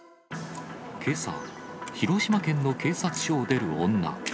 けさ、広島県の警察署を出る女。